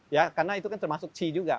ya karena itu kan termasuk c juga